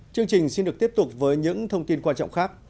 chương trình xin được tiếp tục với những thông tin quan trọng khác